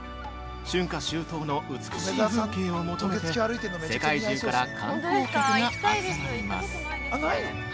春夏秋冬の美しい風景を求めて世界中から観光客が集まります。